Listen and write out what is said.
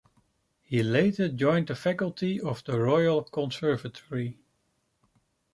He later joined the faculty of the Royal Conservatory.